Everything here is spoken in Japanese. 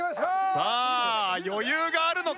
さあ。